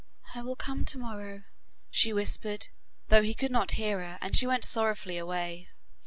'I will come to morrow,' she whispered, though he could not hear her, and she went sorrowfully away.